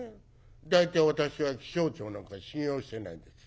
大体私は気象庁なんか信用してないです。